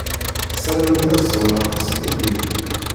Sarament ad sɛunt aṭas n yedrimen.